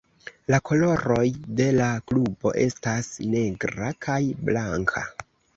La koloroj de la klubo estas negra kaj blanka.